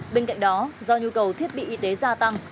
bên cạnh đó do nhu cầu thiết bị y tế gia tăng